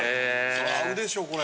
そら合うでしょこれ。